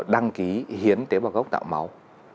đăng ký hiến tế bào gốc tạo máu